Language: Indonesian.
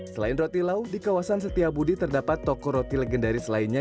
selain roti lau di kawasan setiabudi terdapat toko roti legendaris lainnya